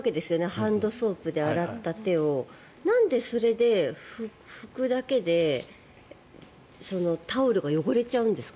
ハンドソープで洗った手をなんでそれで拭くだけでタオルが汚れちゃうんですか。